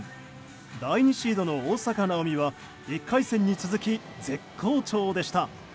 第２シードの大坂なおみは１回戦に続き絶好調でした。